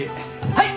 はい。